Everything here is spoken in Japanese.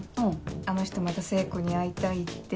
あの人また聖子に会いたいって。